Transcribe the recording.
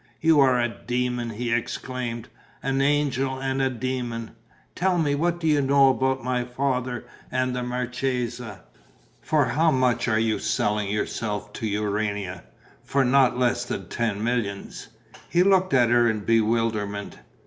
"You are a demon!" he exclaimed. "An angel and a demon! Tell me, what do you know about my father and the marchesa?" "For how much are you selling yourself to Urania? For not less than ten millions?" He looked at her in bewilderment.